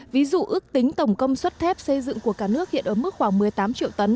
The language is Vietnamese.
ví dụ ước tính tổng công suất thép xây dựng của cả nước hiện ở mức khoảng một mươi tám triệu tấn